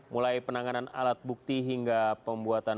mulai penanganan alat bukti hingga pembuatan